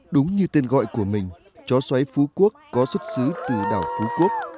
đúng như tên gọi của mình chó xói phú quốc có xuất xứ từ đảo phú quốc